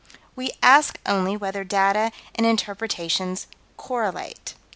We ask only whether data and interpretations correlate.